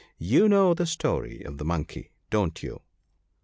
You know the story of the Monkey, don't you?